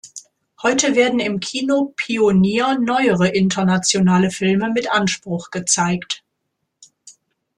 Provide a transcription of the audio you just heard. Heute werden im Kino Pionier neuere internationale Filme mit Anspruch gezeigt.